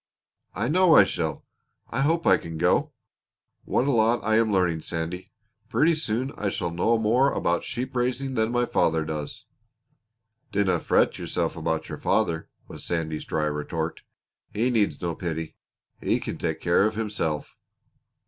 "I know I shall. I hope I can go. What a lot I am learning, Sandy! Pretty soon I shall know more about sheep raising than father does!" "Dinna fret yourself about your father," was Sandy's dry retort. "He needs no pity. He can take care of himself."